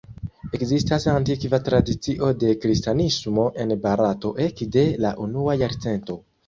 Ekzistas antikva tradicio de kristanismo en Barato ekde la unua jarcento.